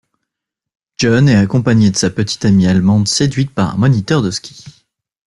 Jon est accompagné de sa petite amie allemande séduite par un moniteur de ski.